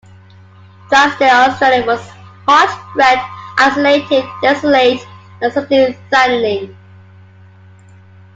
Drysdale's Australia was "hot, red, isolated, desolate and subtly threatening".